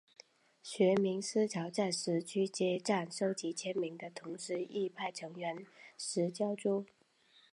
学民思潮在十区街站收集签名的同时亦派成员拾胶珠。